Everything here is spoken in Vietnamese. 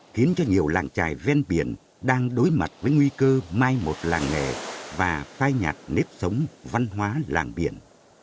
khiến cho nhiều làng trài ven biển đang đối mặt với nguy cơ mai một làng nghề và phai nhạt nếp sống văn hóa làng biển